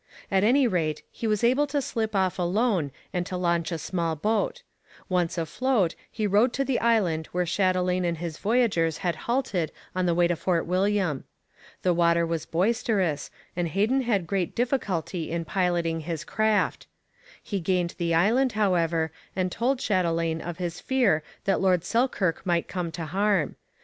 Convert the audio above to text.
At any rate, he was able to slip off alone and to launch a small boat. Once afloat, he rowed to the island where Chatelain and his voyageurs had halted on the way to Fort William. The water was boisterous, and Heden had great difficulty in piloting his craft. He gained the island, however, and told Chatelain of his fear that Lord Selkirk might come to harm.